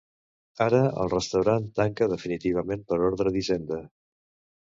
Ara, el restaurant tanca definitivament per ordre d'Hisenda.